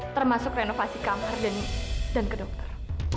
termasuk renovasi kanker dan ke dokter